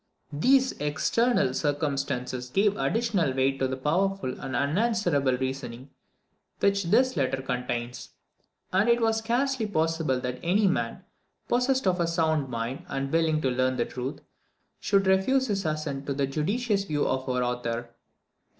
These external circumstances gave additional weight to the powerful and unanswerable reasoning which this letter contains; and it was scarcely possible that any man, possessed of a sound mind, and willing to learn the truth, should refuse his assent to the judicious views of our author.